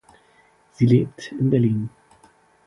Sie lebt in Berlin.